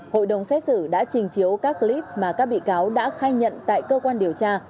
hội đồng xét xử đã trình chiếu các clip mà các bị cáo đã khai nhận tại cơ quan điều tra